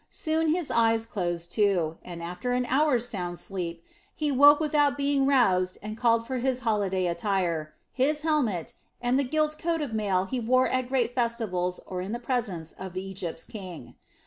Soon his eyes closed, too, and, after an hour's sound sleep, he woke without being roused and called for his holiday attire, his helmet, and the gilt coat of mail he wore at great festivals or in the presence of Egypt's king.